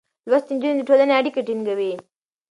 لوستې نجونې د ټولنې اړيکې ټينګوي.